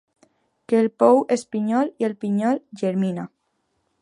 Que el pou és pinyol i el pinyol germina.